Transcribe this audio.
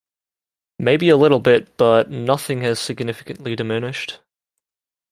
Maybe a little bit, but nothing has significantly diminished.